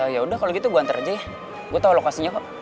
yaudah kalo gitu gue nganter aja ya gue tau lokasinya kok